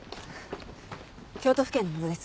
京都府警の者です。